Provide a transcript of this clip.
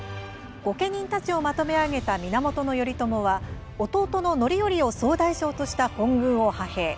御家人たちをまとめ上げた源頼朝は、弟の範頼を総大将とした本軍を派兵。